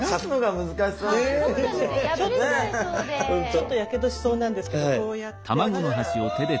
ちょっとやけどしそうなんですけどこうやって箸で。